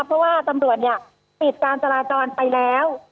เพราะว่าตำรวจเนี่ยปิดการจราจรไปแล้ว